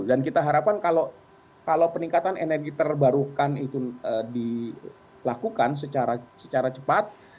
dan kita harapkan kalau kalau peningkatan energi terbarukan itu dilakukan secara secara cepat